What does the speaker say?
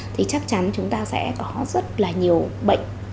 thì chắc chắn chúng ta sẽ có rất là nhiều bệnh